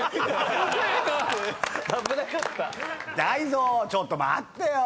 泰造ちょっと待ってよ！